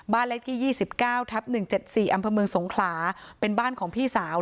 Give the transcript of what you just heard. บ้านเลขที่ยี่สิบเก้าทับหนึ่งเจ็ดสี่อำเภอเมืองสงขลาเป็นบ้านของพี่สาว